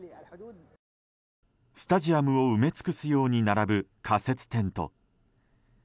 スタジアムを埋め尽くすように並ぶ、仮設テント。